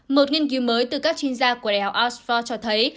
một nghiên cứu mới từ các chuyên gia của đại học oxford cho thấy